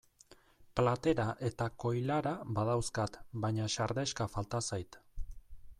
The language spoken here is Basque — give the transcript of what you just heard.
Platera eta koilara badauzkat baina sardexka falta zait.